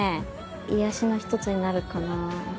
癒やしの１つになるかな。